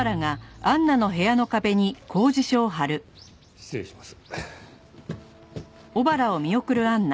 失礼します。